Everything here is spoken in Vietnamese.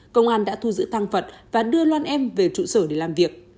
công an đã thu giữ tăng vật và đưa loan em về trụ sở để làm việc